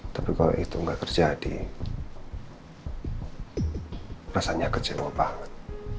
tapi kalau itu nggak terjadi rasanya kecewa banget